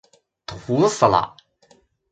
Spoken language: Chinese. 土死了！